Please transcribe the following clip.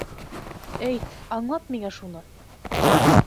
Әйт, аңлат миңә шуны!